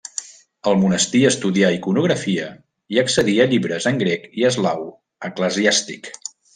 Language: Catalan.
Al monestir estudià iconografia i accedí a llibres en grec i eslau eclesiàstic.